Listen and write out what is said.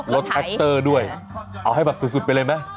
แท็กเตอร์ด้วยเอาให้แบบสุดไปเลยไหม